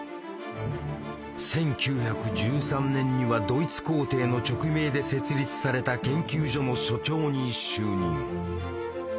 １９１３年にはドイツ皇帝の勅命で設立された研究所の所長に就任。